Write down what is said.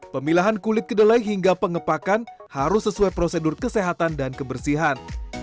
pemilahan kulit kedelai hingga pengepakan harus sesuai prosedur kesehatan dan kebersihan